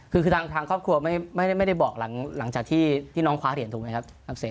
คือทางครอบครัวไม่ได้บอกหลังจากที่น้องคว้าเหรียญถูกไหมครับ